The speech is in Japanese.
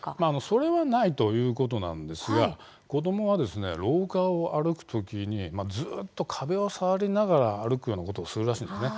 それはないということですが子どもは廊下を歩く時にずっと壁を触りながら歩くようなことをするシーンが多いですね。